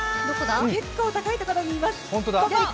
結構高いところにいます。